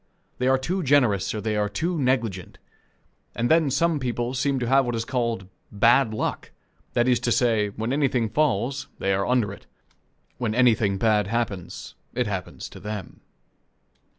They are too generous, or they are too negligent; and then some people seem to have what is called "bad luck" that is to say, when anything falls, they are under it; when anything bad happens, it happens to them.